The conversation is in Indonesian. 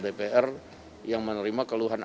dpr yang menerima keluhan